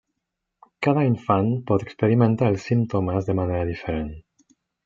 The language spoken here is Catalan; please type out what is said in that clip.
Cada infant pot experimentar els símptomes de manera diferent.